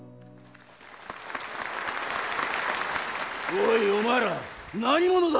おいお前ら何者だ！